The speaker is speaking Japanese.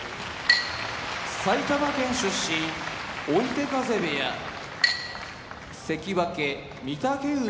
埼玉県出身追手風部屋関脇・御嶽海